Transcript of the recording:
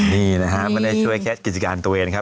นี่นะครับมันได้ช่วยแค่กิจการตัวเอง